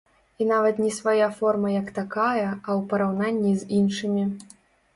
І нават не свая форма як такая, а ў параўнанні з іншымі.